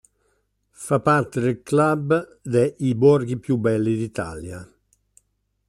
Fa parte del club de "I borghi più belli d'Italia".